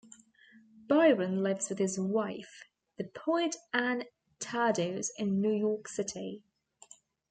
Byron lives with his wife, the poet Anne Tardos, in New York City.